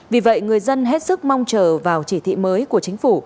vì vậy người dân hết sức mong chờ vào chỉ thị mới của chính phủ